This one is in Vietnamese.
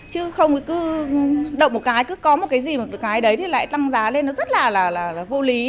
chứ không cứ động một cái cứ có một cái gì một cái đấy thì lại tăng giá lên nó rất là vô lý